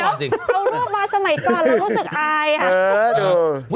เอารูปมาสมัยก่อนเรารู้สึกอายค่ะ